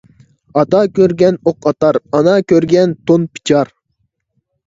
ئاتا كۆرگەن ئوق ئاتار، ئانا كۆرگەن تون پىچار.